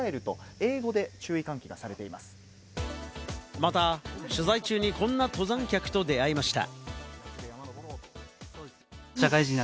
また取材中にこんな登山客と出会いました。